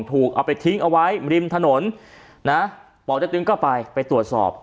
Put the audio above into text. ถูกเอาไปทิ้งเอาไว้ริมถนนนะบอกได้ติ๊งก็ไปไปตรวจสอบ